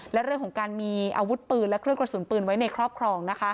และเรื่องของการมีอาวุธปืนและเครื่องกระสุนปืนไว้ในครอบครอง